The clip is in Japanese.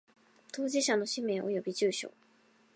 当事者の氏名及び住所